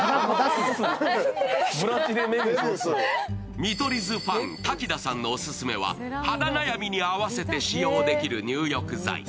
見取り図ファン、滝田さんのオススメは肌悩みに合わせて使用できる入浴剤。